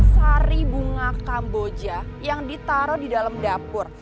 sari bunga kamboja yang ditaruh di dalam dapur